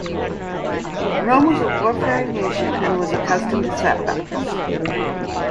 Rome was a war-faring nation and was accustomed to setbacks.